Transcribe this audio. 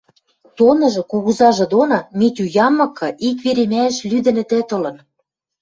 Тоныжы, кугузажы доны, Митю яммыкы, ик веремӓэш лӱдӹнӹтӓт ылын.